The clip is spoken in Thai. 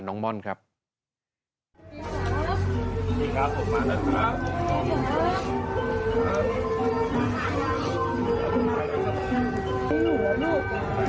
จืงสุดยอดเวลียวสูงสากอง